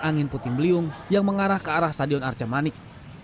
angin puting beliung yang mengarah ke arah stadion arca manik